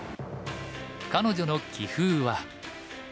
彼女の棋風は。